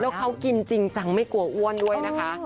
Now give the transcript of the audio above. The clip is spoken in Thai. แล้วเขากินจริงจังไม่กลัวอ้วนด้วยนะคะ